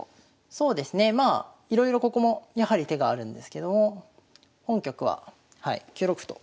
そうですねまあいろいろここもやはり手があるんですけども本局ははい９六歩と。